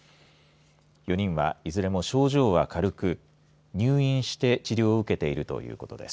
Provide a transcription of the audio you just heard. ４人は、いずれも症状は軽く入院して治療を受けているということです。